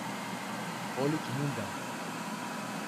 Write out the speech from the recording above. Όλοι κοιμούνταν.